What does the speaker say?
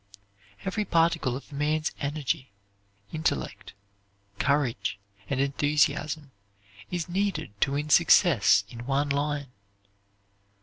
Every particle of a man's energy, intellect, courage, and enthusiasm is needed to win success in one line.